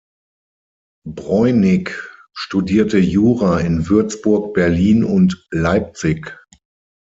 Breunig studierte Jura in Würzburg, Berlin und Leipzig.